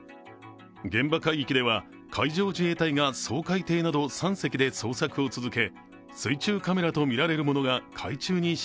現場海域では海上自衛隊が掃海艇など３隻で捜索を続け